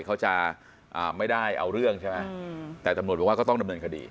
เขาจะไม่ได้เอาเรื่องใช่ไหมแต่ตำรวจบอกว่าก็ต้องดำเนินคดี